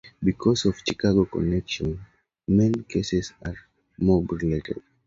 Because of the Chicago connection, many of the cases are mob-related.